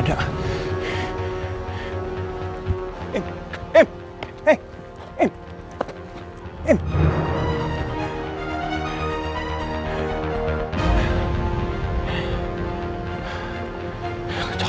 dia mau ke sana